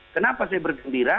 kenapa saya bergembira